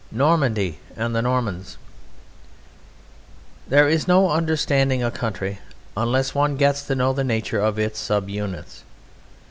Normandy and the Normans There is no understanding a country unless one gets to know the nature of its sub units.